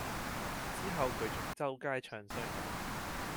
之後佢仲周街唱衰我